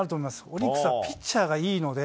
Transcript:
オリックスはピッチャーがいいので、